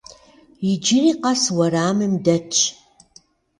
Иджыри къэс уэрамым дэтщ.